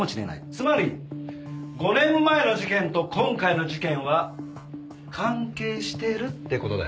つまり５年前の事件と今回の事件は関係してるって事だ。